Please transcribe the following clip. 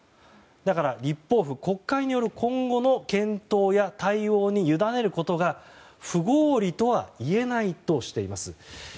だから立法府国会による今後の検討や対応に委ねることが不合理とはいえないとしています。